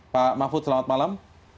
pak mahfud selamat malam